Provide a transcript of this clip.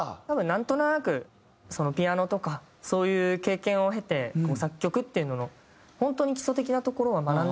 多分なんとなくピアノとかそういう経験を経て作曲っていうのの本当に知らないうちにね。